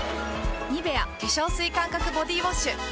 「ニベア」化粧水感覚ボディウォッシュ誕生！